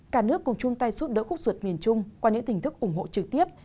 cả nước cùng chung tay xúc đỡ khúc ruột miền trung qua những tình thức ủng hộ trực tiếp